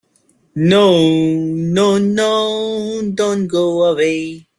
No, no, no, don't go away.